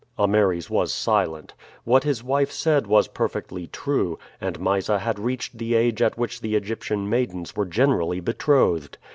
Ameres was silent. What his wife said was perfectly true, and Mysa had reached the age at which the Egyptian maidens were generally betrothed.